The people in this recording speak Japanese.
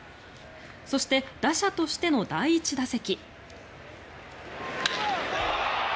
そして、打者としての第１打席。